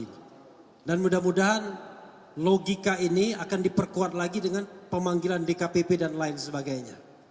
mudah mudahan logika ini akan diperkuat lagi dengan pemanggilan dkpp dan lain sebagainya